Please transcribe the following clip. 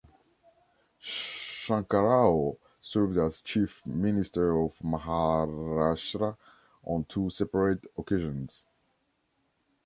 Shankarrao served as chief Minister of Maharashtra on two separate occasions.